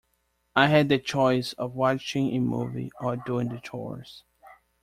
I had the choice of watching a movie or doing the chores.